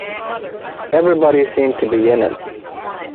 Everybody seemed to be in it!